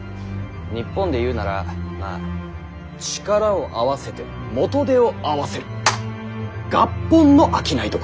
日本で言うならまあ力を合わせて元手を合わせる合本の商い所。